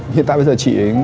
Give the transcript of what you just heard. hiện tại bây giờ chị ấy